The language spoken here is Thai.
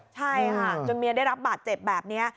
ใช่ค่ะจนเมียได้รับบาดเจ็บแบบนี้